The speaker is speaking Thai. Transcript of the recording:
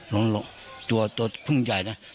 ร้องก็ตัวตัวพึ่งใหญ่เนี่ย